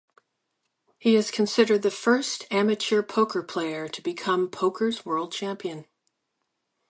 He is considered the first amateur poker player to become poker's World Champion.